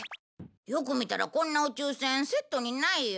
よく見たらこんな宇宙船セットにないよ。